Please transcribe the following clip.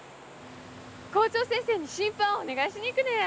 校長先生に審判をお願いしに行くのや。